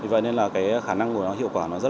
vậy nên khả năng của nó hiệu quả rất là cao